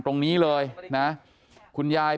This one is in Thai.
สวัสดีครับคุณผู้ชาย